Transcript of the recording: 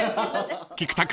［菊田君